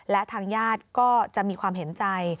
และทางญาติก็จะมีความเห็นใจ